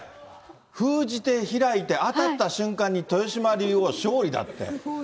封じて開いて、当たった瞬間に豊島竜王勝利だって。